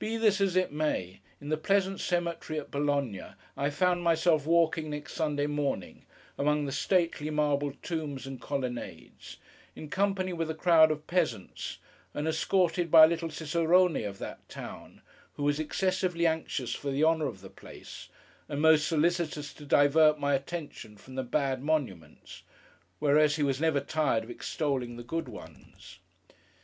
Be this as it may, in the pleasant Cemetery at Bologna, I found myself walking next Sunday morning, among the stately marble tombs and colonnades, in company with a crowd of Peasants, and escorted by a little Cicerone of that town, who was excessively anxious for the honour of the place, and most solicitous to divert my attention from the bad monuments: whereas he was never tired of extolling the good ones.